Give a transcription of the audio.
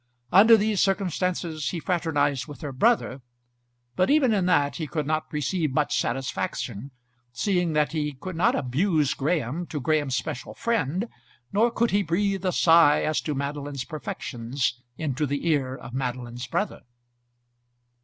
Under these circumstances he fraternized with her brother; but even in that he could not receive much satisfaction, seeing that he could not abuse Graham to Graham's special friend, nor could he breathe a sigh as to Madeline's perfections into the ear of Madeline's brother.